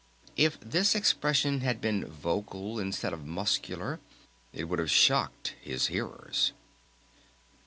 If this expression had been vocal instead of muscular it would have shocked his hearers.